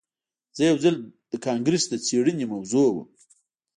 زه یو ځل د کانګرس د څیړنې موضوع وم